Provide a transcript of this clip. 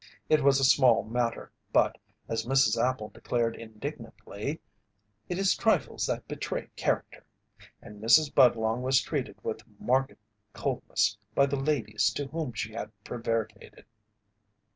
It was a small matter, but, as Mrs. Appel declared indignantly, it is trifles that betray character, and Mrs. Budlong was treated with marked coldness by the ladies to whom she had prevaricated.